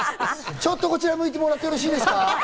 ちょっとこちらを向いてもらってよろしいですか？